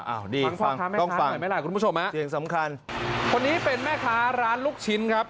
อ้าวดีต้องฟังต้องฟังคุณผู้ชมนะคนนี้เป็นแม่ค้าร้านลูกชิ้นครับ